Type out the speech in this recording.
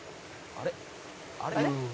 「あれ？」